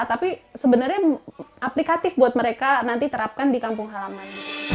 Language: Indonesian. tapi sebenarnya aplikatif buat mereka nanti terapkan di kampung halaman